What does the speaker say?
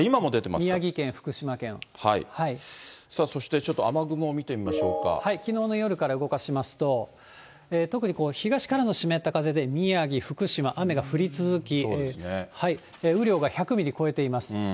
宮城県、福そして、ちょっと雨雲を見てきのうの夜から動かしますと、特に東からの湿った風で、宮城、福島、雨が降り続き、雨量が１００ミリを超えています。